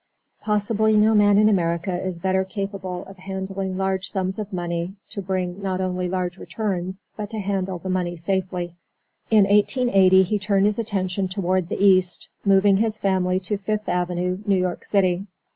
Possibly no man in America is better capable of handling large sums of money, to bring not only large returns, but to handle the money safely. In 1880 he turned his attention toward the East, moving his family to Fifth Avenue, New York city.